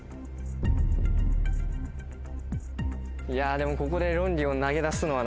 でもここで論理を投げ出すのはな。